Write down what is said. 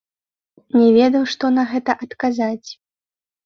Не ведаў, што на гэта адказаць.